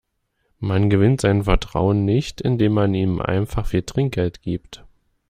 Man gewinnt sein Vertrauen nicht, indem man ihm einfach viel Trinkgeld gibt.